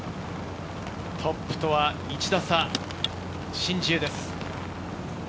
トップとは１打差、シン・ジエです。